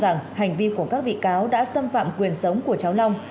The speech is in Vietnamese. nguyễn thị thủy cho rằng hành vi của các bị cáo đã xâm phạm quyền sống của cháu long